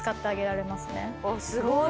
すごーい！